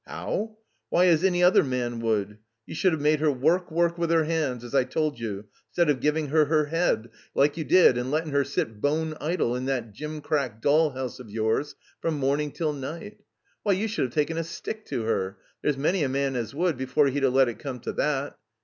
"How? Why, as any other man would. You should have made her work, work with her 'ands, as I told you, 'stead of giving her her head, like you 287 THE COMBINED MAZE did, and lettin' her sit bone idle in that gimcradc doll house of yours from morning till night. Why, you should have taken a stick to her. There's many a man as would, before he'd 'a' let it come to that.